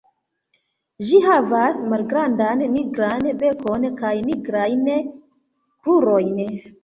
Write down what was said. Ĝi havas malgrandan nigran bekon kaj nigrajn krurojn.